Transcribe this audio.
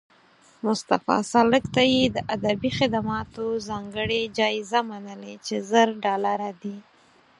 مصطفی سالک ته یې د ادبي خدماتو ځانګړې جایزه منلې چې زر ډالره دي